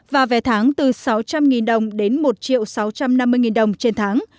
và vé tháng từ sáu trăm linh đồng đến một sáu trăm năm mươi đồng trên tháng